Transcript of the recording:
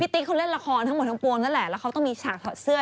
ติ๊กเขาเล่นละครทั้งหมดทั้งปวงนั่นแหละแล้วเขาต้องมีฉากถอดเสื้อ